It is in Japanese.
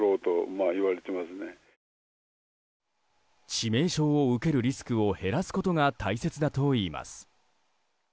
致命傷を受けるリスクを減らすことが大切だといいます。